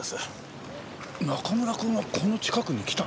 中村くんがこの近くに来た？